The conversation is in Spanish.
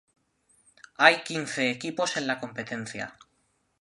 Hay quince equipos en la competencia.